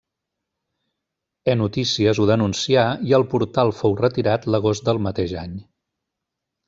E-notícies ho denuncià i el portal fou retirat l'agost del mateix any.